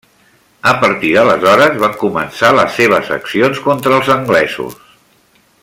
A partir d'aleshores van començar les seves accions contra els anglesos.